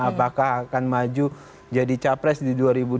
apakah akan maju jadi capres di dua ribu dua puluh